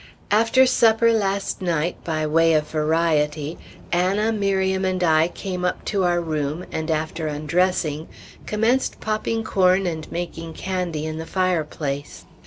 After supper last night, by way of variety, Anna, Miriam, and I came up to our room, and after undressing, commenced popping corn and making candy in the fireplace.